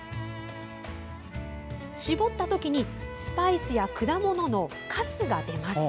搾ったときにスパイスや果物のかすが出ます。